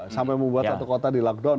sampai membuat satu kota di lockdown